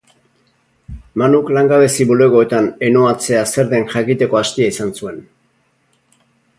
Manuk langabezi bulegoetan enoatzea zer den jakiteko astia izan zuen.